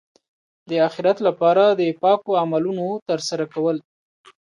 د اخرت لپاره د پاکو عملونو ترسره کول.